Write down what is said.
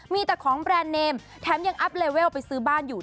มีแต่ของแบรนด์เนมแถมยังอัพเลเวลไปซื้อบ้านอยู่